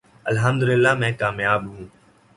الحمدللہ میں کامیاب ہوں۔